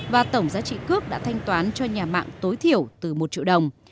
và tổng giá trị cước đã thanh toán cho nhà mạng tối thiểu từ một triệu đồng